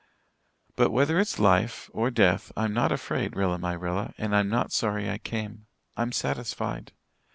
But whether it's life or death, I'm not afraid, Rilla my Rilla, and I am not sorry that I came. I'm satisfied.